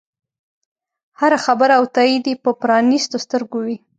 هره خبره او تایید یې په پرانیستو سترګو وي.